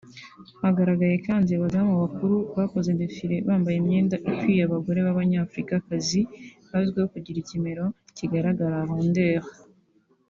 Hagaragaye kandi abadamu bakuru bakoze défilé bambaye imyenda iciye abagore b’abanyafurikakazi bazwiho kugira ikimero kigaragara (rondeurs)